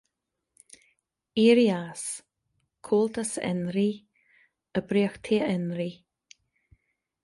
Éirí as; Comhaltas a Fhionraí; Oibríochtaí a Fhionraí.